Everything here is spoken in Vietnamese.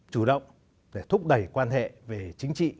chủ động để thúc đẩy quan hệ về chính trị